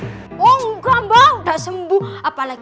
oh enggak mbak udah sembuh apalagi